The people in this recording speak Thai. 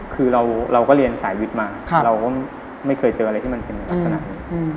คือเราก็เรียนสายวิทย์มาเราก็ไม่เคยเจออะไรที่มันเป็นลักษณะนี้